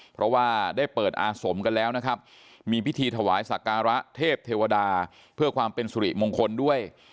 เพราะว่าได้เปิดอาสมกันแล้วนะครับมีพิธีถวายสักการะเทพเทวดาเพื่อความเป็นสุริมงคลด้วย